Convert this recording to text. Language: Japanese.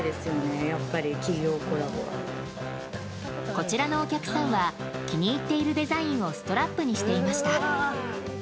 こちらのお客さんは気に入っているデザインをストラップにしていました。